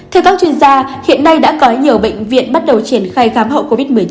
theo các chuyên gia hiện nay đã có nhiều bệnh viện bắt đầu triển khai khám hậu covid một mươi chín